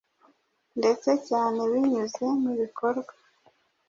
ndetse cyane binyuze mu bikorwa.